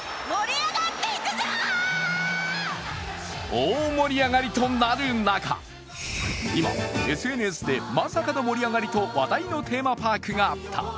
大盛り上がりとなる中、今、ＳＮＳでまさかの盛り上がりと話題のテーマパークがあった。